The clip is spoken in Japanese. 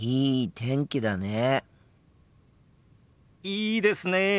いいですねえ。